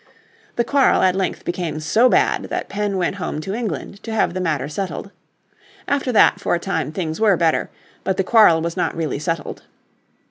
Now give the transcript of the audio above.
The quarrel at length became so bad that Penn went home to England to have the matter settled; after that for a time things were better, but the quarrel was not really settled.